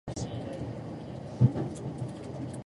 罰がなければ、逃げるたのしみもない。